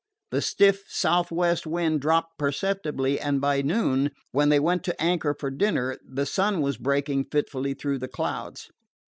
The stiff southwest wind dropped perceptibly, and by noon, when they went to anchor for dinner, the sun was breaking fitfully through the clouds.